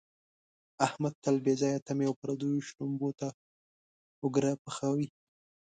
احمد تل بې ځایه تمې او پردیو شړومبو ته اوګره پحوي.